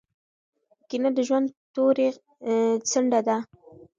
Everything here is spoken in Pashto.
کینه د ژوند توري څنډه ده.